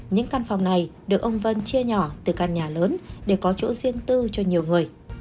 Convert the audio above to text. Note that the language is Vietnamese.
những căn phòng này được ông vân chia nhỏ từ căn nhà lớn để có chỗ riêng tư cho nhiều người